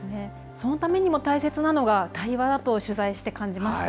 そのためにも大切なのが対話だと取材して感じました。